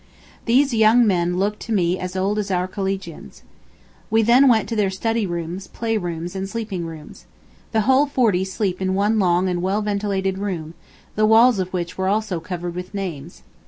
These young men looked to me as old as our collegians. We then went to their study rooms, play rooms, and sleeping rooms. The whole forty sleep in one long and well ventilated room, the walls of which were also covered with names.